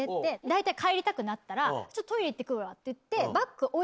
大体帰りたくなったらちょっとトイレ行って来るわって言って。